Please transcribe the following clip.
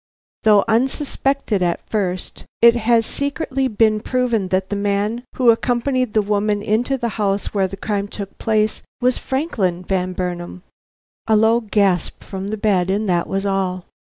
Though unsuspected at first, it has secretly been proven that the man who accompanied the woman into the house where the crime took place, was Franklin Van Burnam." A low gasp from the bed, and that was all.